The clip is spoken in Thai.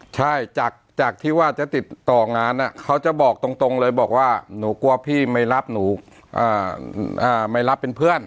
ใช่จากที่ว่าจะติดต่องานเขาจะบอกตรงเลยบอกว่าหนูกลัวพี่ไม่รับหนูไม่รับเป็นเพื่อน